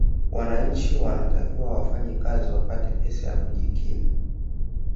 wananchi wanatakiwa wafanye kazi wapate pesa ya kujikimu